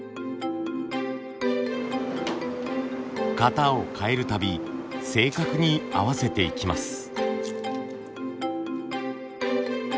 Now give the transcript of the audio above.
型を変えるたび正確に合わせていきます。